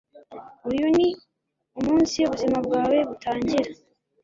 uyu ni umunsi ubuzima bwawe butangira